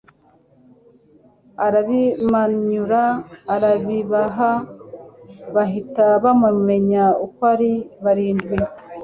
Arabimanyura arabibaha, bahita bamumenya uko ari barindwi.